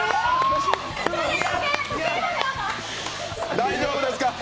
大丈夫ですか？